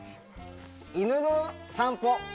犬の散歩。